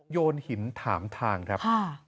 โยนหินถามทางครับ